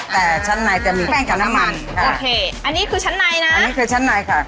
แต่ชั้นในจะมีแป้งกับน้ำมันค่ะโอเคอันนี้คือชั้นในนะอันนี้คือชั้นในค่ะ